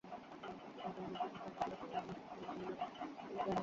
গুরুতর আহত অবস্থায় তাঁকে খুলনা মেডিকেল কলেজ হাসপাতালে ভর্তি করা হয়।